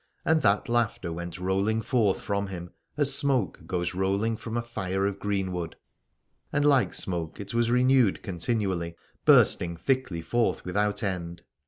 And that laughter went rolling forth from him as smoke goes rolling from a fire of green wood, and like smoke it was renewed continually, bursting thickly forth without end.